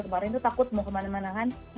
kemarin itu takut mau kemana mana kan